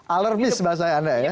alarmis bahasa anda ya